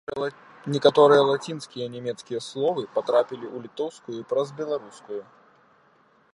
Некаторыя лацінскія і нямецкія словы патрапілі ў літоўскую праз беларускую.